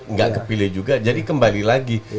nggak kepilih juga jadi kembali lagi